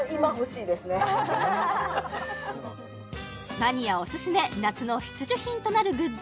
マニアおすすめ夏の必需品となるグッズ